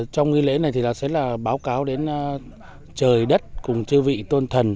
trong nghi lễ này thì sẽ là báo cáo đến trời đất cùng chư vị tôn thần